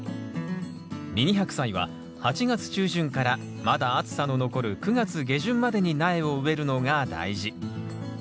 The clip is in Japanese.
ミニハクサイは８月中旬からまだ暑さの残る９月下旬までに苗を植えるのが大事。